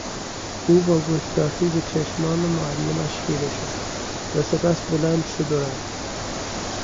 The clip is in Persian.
او با گستاخی به چشمان معلمش خیره شد و سپس بلند شد و رفت.